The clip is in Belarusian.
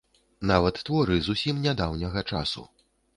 Нават творы зусім нядаўняга часу.